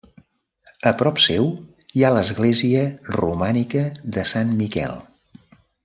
A prop seu hi ha l'església romànica de Sant Miquel.